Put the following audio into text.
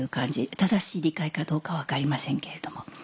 正しい理解かどうか分かりませんけれども。